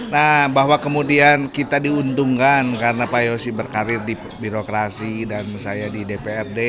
nah bahwa kemudian kita diuntungkan karena pak yosi berkarir di birokrasi dan saya di dprd